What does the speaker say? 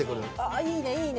いいねいいね。